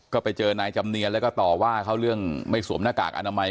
ก็ไปเจอนายจำเนียนแล้วก็ต่อว่าเขาเรื่องไม่สวมหน้ากากอนามัย